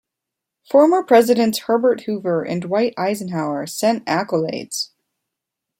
Former Presidents Herbert Hoover and Dwight Eisenhower sent accolades.